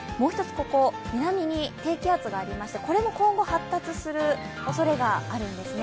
ここ、南に低気圧がありましてこれも今後発達するおそれがあるんですね。